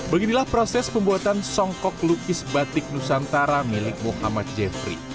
beginilah proses pembuatan songkok lukis batik nusantara milik muhammad jeffrey